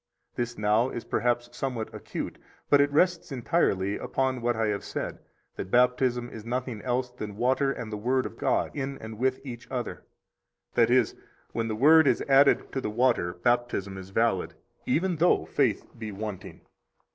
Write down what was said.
53 This now is perhaps somewhat acute, but it rests entirely upon what I have said, that Baptism is nothing else than water and the Word of God in and with each other, that is, when the Word is added to the water, Baptism is valid, even though faith be wanting.